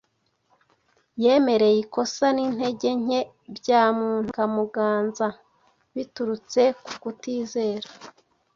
yemereye ikosa n’intege nke bya muntu bikamuganza biturutse ku kutizera.